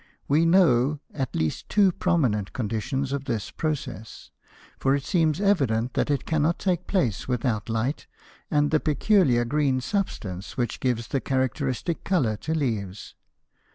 We know at least two prominent conditions of this process, for it seems evident that it cannot take place without light and the peculiar green substance which gives the characteristic color to leaves.